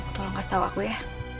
tolong kasih tahu aku ya